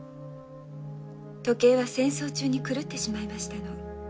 時計は戦争中に狂ってしまいましたの。